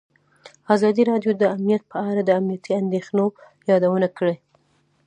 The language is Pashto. ازادي راډیو د امنیت په اړه د امنیتي اندېښنو یادونه کړې.